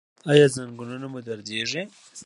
ایا زنګونونه مو دردیږي؟